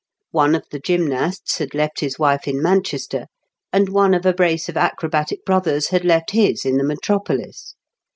One of the gymnasts had left his wife in Manchester, and one of a brace of acrobatic brothers had left his in the metropolis.